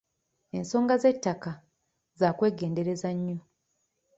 Ensonga z'ettaka za kwegendereza nnyo.